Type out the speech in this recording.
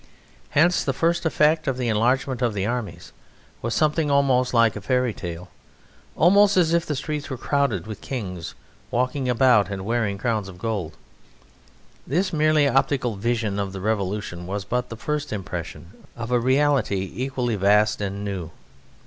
Hence the first effect of the enlargement of the armies was something almost like a fairy tale almost as if the streets were crowded with kings, walking about and wearing crowns of gold. This merely optical vision of the revolution was but the first impression of a reality equally vast and new.